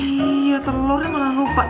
iya telurnya malah lupa